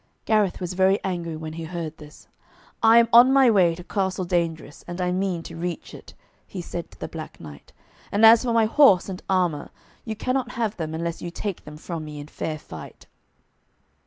Gareth was very angry when he heard this. 'I am on my way to Castle Dangerous, and I mean to reach it,' he said to the Black Knight. 'And as for my horse and armour, you cannot have them unless you take them from me in fair fight.'